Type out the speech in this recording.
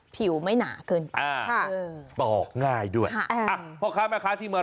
ผิวไม่หนาเกินไป